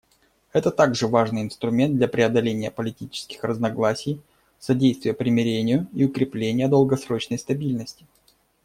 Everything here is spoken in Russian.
Это также важный инструмент для преодоления политических разногласий, содействия примирению и укрепления долгосрочной стабильности.